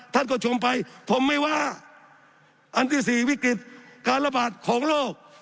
ท่านก็ชมไปผมไม่ว่าอันที่สี่วิกฤติการระบาดของโรค